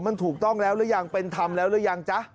มันถูกต้องแล้วหรือยังเป็นธรรมแล้วหรือยังจ๊ะ